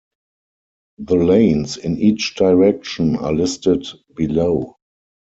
The lanes in each direction are listed below.